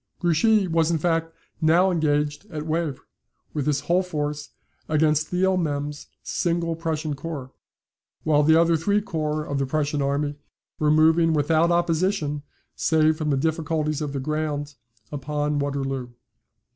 Grouchy was in fact now engaged at Wavre with his whole force, against Thielmam's single Prussian corps, while the other three corps of the Prussian army were moving without opposition, save from the difficulties of the ground, upon Waterloo.